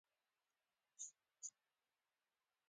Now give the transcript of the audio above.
اوبه په ګرمېدو بخار کېږي.